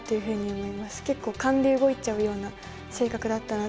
結構「勘」で動いちゃうような性格だったので。